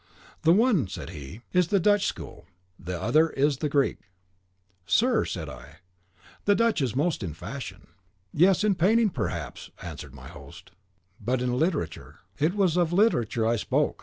"The one," said he, "is the Dutch School, the other is the Greek." "Sir," said I, "the Dutch is the most in fashion." "Yes, in painting, perhaps," answered my host, "but in literature " "It was of literature I spoke.